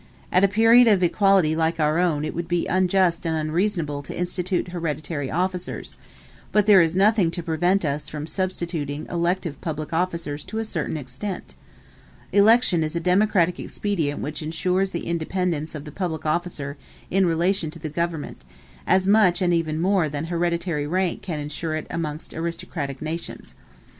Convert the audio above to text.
At a period of equality like our own it would be unjust and unreasonable to institute hereditary officers; but there is nothing to prevent us from substituting elective public officers to a certain extent. Election is a democratic expedient which insures the independence of the public officer in relation to the government, as much and even more than hereditary rank can insure it amongst aristocratic nations.